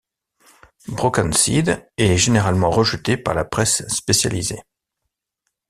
Brokencyde est généralement rejeté par la presse spécialisée.